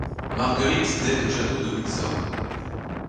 Marguerite naît au château de Windsor.